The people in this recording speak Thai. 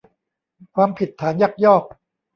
ความผิดฐานยักยอก